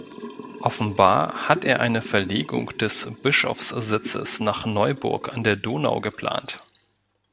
Offenbar hat er eine Verlegung des Bischofssitzes nach Neuburg an der Donau geplant.